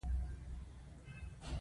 خټکی د ویټامین سي یوه ښه سرچینه ده.